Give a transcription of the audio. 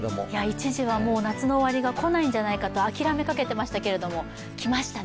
一時は夏の終わりが来ないんじゃないかと諦めかけていたんですけれども、来ましたね。